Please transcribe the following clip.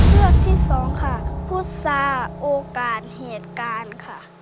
เลือกที่สองค่ะพุษาโอกาสเหตุการณ์ค่ะ